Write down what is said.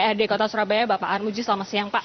ketua jenderal kota surabaya bapak armuji selamat siang pak